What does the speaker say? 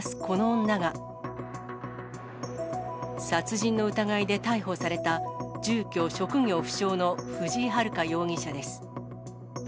この女が、殺人の疑いで逮捕された住居職業不詳の藤井遙容疑者です。